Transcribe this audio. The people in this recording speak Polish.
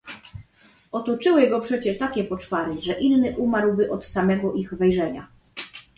"Otoczyły go przecie takie poczwary, że inny umarłby od samego ich wejrzenia."